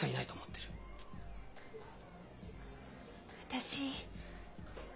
私。